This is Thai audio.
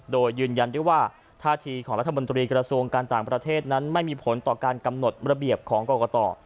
โดยยืนยันได้ว่าท่าทีของรัฐมนตรีกระทรวงการต่างประเทศนั้นไม่มีผลต่อการกำหนดระเบียบของกรกต